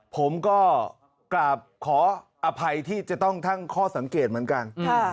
ผมก็กราบขออภัยที่จะต้องตั้งข้อสังเกตเหมือนกัน